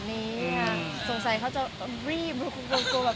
มีปิดฟงปิดไฟแล้วถือเค้กขึ้นมา